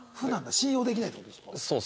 信用できないって事ですか？